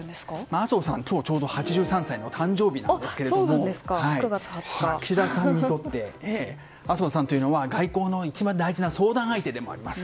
麻生さんは今日ちょうど８３歳の誕生日なんですが岸田さんにとって、麻生さんは外交の一番大事な相談相手でもあります。